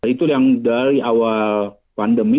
itu yang dari awal pandemi